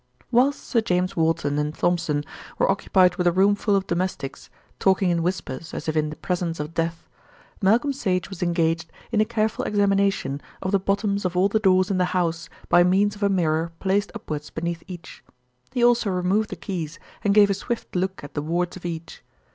Whilst Sir James Walton and Thompson were occupied with a room full of domestics, talking in whispers as if in the presence of death, Malcolm Sage was engaged in a careful examination of the bottoms of all the doors in the house by means of a mirror placed upwards beneath each. He also removed the keys and gave a swift look at the wards of each.